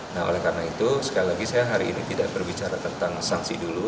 nah oleh karena itu sekali lagi saya hari ini tidak berbicara tentang sanksi dulu